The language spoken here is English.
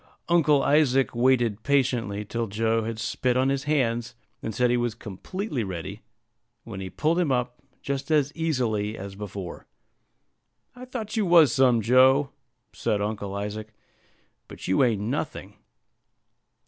Uncle Isaac waited patiently till Joe had spit on his hands, and said he was completely ready, when he pulled him up just as easily as before. "I thought you was some, Joe," said Uncle Isaac; "but you ain't nothing."